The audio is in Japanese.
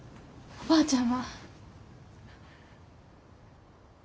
おばあちゃん！